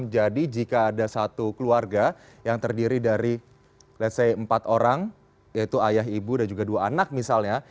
jadi jika ada satu keluarga yang terdiri dari let's say empat orang yaitu ayah ibu dan juga dua anak misalnya